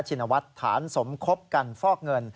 ชินวัฒน์ฐานสมคบกันฟอกเงิน